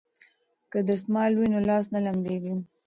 که دستمال وي نو لاس نه لمدیږي.